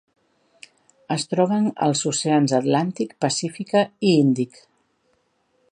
Es troben als oceans Atlàntic, Pacífica i Índic.